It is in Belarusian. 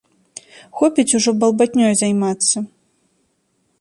Хопіць ужо балбатнёй займацца.